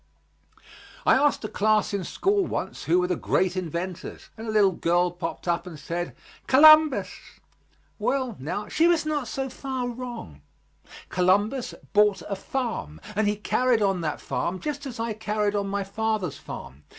I asked a class in school once who were the great inventors, and a little girl popped up and said, "Columbus." Well, now, she was not so far wrong. Columbus bought a farm and he carried on that farm just as I carried on my father's farm.